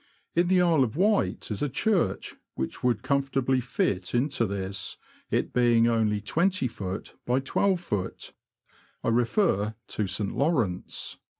In the Isle of Wight is a church which would comfortably fit into this, it being only 20ft. by 12ft. ; I refer to St. Lawrence."